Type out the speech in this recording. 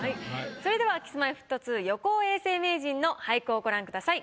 それではＫｉｓ−Ｍｙ−Ｆｔ２横尾永世名人の俳句をご覧ください。